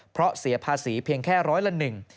เพราะเสียภาษีเพียงแค่ร้อยละหนึ่ง